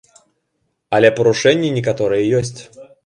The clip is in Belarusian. Але парушэнні некаторыя ёсць.